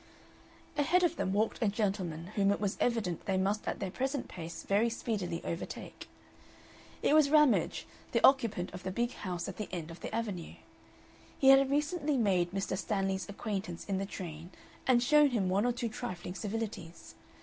Ahead of them walked a gentleman whom it was evident they must at their present pace very speedily overtake. It was Ramage, the occupant of the big house at the end of the Avenue. He had recently made Mr. Stanley's acquaintance in the train and shown him one or two trifling civilities.